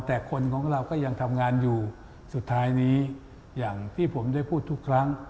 แต่คนของเราก็ยังทำงานอยู่สุดท้ายนี้อย่างที่ผมได้พูดทุกครั้ง